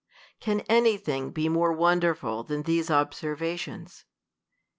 Can any thing be more wonderful than these obser vations